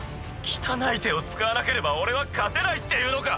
汚い手を使わなければ俺は勝てないっていうのか？